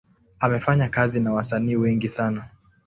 Amefanya kazi na wasanii wengi sana.